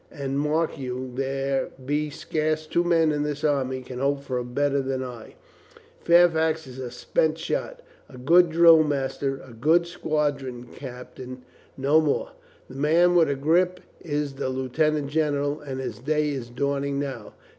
And mark you, there be scarce two men in this army can hope for better than I. Fairfax is a spent shot — a good drill master, a good squadron captain, no 332 COLONEL GREATHEART more. The man with a grip is the lieutenant gen eral, and his day is dawning now.